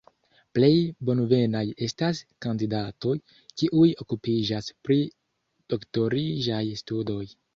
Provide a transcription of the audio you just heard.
Plej bonvenaj estas kandidatoj, kiuj okupiĝas pri doktoriĝaj studoj.